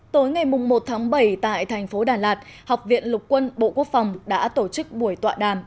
tối ngày một tháng bảy tại thành phố đà lạt học viện lục quân bộ quốc phòng đã tổ chức buổi tọa đàm